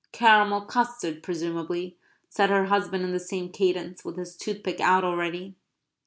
"Caramel custard presumably," said her husband in the same cadence, with his toothpick out already.